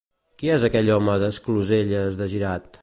Qui és aquell home d'Escloselles de Girat?